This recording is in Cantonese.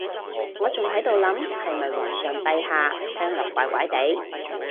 我仲喺度諗係咪皇上陛下，聽落怪怪哋